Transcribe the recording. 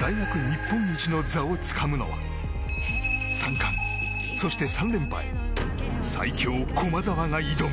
大学日本一の座をつかむのは３冠、そして３連覇へ最強駒澤が挑む。